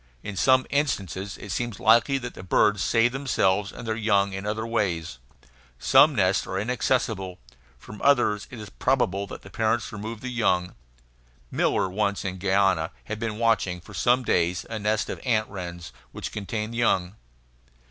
In some instances it seems likely that the birds save themselves and their young in other ways. Some nests are inaccessible. From others it is probable that the parents remove the young. Miller once, in Guiana, had been watching for some days a nest of ant wrens which contained young.